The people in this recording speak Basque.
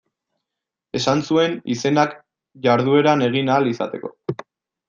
Esan zuen izenak jardueran egin ahal izateko.